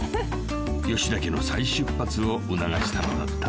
［吉田家の再出発を促したのだった］